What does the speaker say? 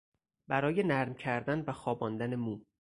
برای نرم کردن و خواباندن مو